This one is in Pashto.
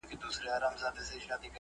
چا ډېر بکسونه را روان کړي